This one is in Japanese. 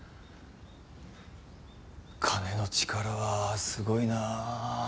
金の力はすごいなあ。